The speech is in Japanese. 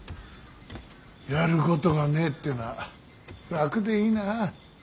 やることがねえってのは楽でいいなあ。